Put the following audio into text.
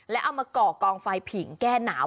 แล้วเอามาก่อกองไฟผิงแก้หนาว